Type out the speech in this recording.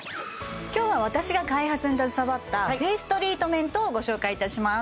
今日は私が開発に携わったフェイストリートメントをご紹介いたします